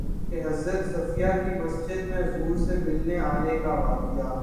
کہ حضرت صفیہ کے مسجد میں حضور سے ملنے آنے کا واقعہ